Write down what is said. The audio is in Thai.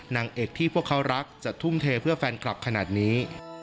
นางเอกที่พวกเขารักจะทุ่มเทเพื่อแฟนคลับขนาดนี้